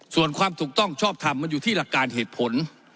ส่วนความถูกต้องชอบทำมันอยู่ที่หลักการเหตุผล